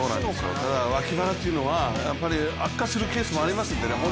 脇腹というのは、悪化するケースもありますのでね